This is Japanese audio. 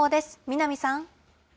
南さん。